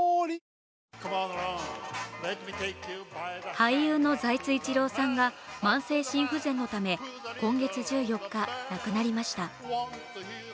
俳優の財津一郎さんが慢性心不全のため今月１４日、亡くなりました。